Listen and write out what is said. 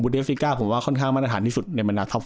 เอฟซีก้าผมว่าค่อนข้างมาตรฐานที่สุดในบรรดาท็อป